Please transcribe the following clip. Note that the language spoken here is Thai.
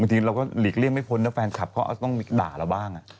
ทีเราก็หลีกเลี่ยงไม่พ้นนะแฟนคลับเขาต้องด่าเราบ้าง